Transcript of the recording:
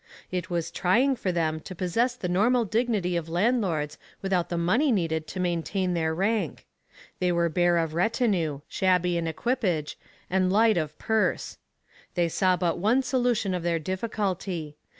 It was trying for them to possess the nominal dignity of landlords without the money needed to maintain their rank. They were bare of retinue, shabby in equipage, and light of purse. They saw but one solution of their difficulty.